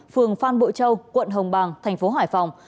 phường phan bội châu quận hồng bàng thành phố hải phòng